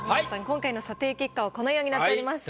今回の査定結果はこのようになっております。